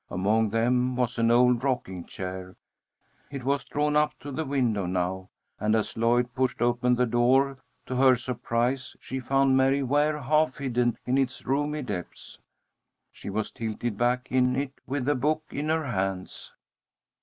Among them was an old rocking chair. It was drawn up to the window now, and, as Lloyd pushed open the door, to her surprise she found Mary Ware half hidden in its roomy depths. She was tilted back in it with a book in her hands.